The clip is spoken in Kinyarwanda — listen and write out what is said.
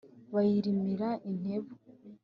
bayirimira intebu,